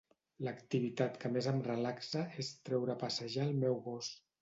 L'activitat que més em relaxa és treure a passejar el meu gos.